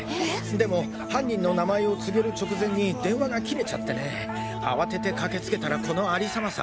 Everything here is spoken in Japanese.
でも犯人の名前を告げる直前に電話が切れちゃってね慌てて駆けつけたらこの有り様さ。